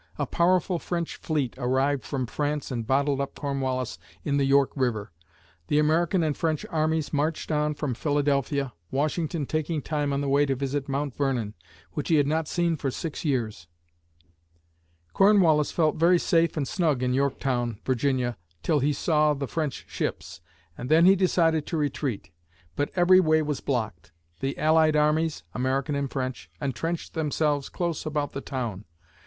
A powerful French fleet arrived from France and bottled up Cornwallis in the York River. The American and French armies marched on from Philadelphia, Washington taking time on the way to visit Mount Vernon, which he had not seen for six years. [Illustration: Washington spent the first night under a mulberry tree] Cornwallis felt very safe and snug in Yorktown (Va.) till he saw the French ships, and then he decided to retreat. But every way was blocked. The allied armies (American and French) entrenched themselves close about the town.